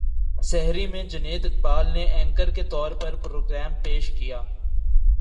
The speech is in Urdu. سحری میں جنید اقبال نے اینکر کے طور پر پروگرام پیش کیا